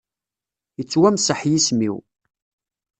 Ittwamseḥ yism-iw.